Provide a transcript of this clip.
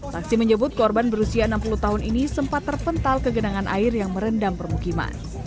saksi menyebut korban berusia enam puluh tahun ini sempat terpental ke genangan air yang merendam permukiman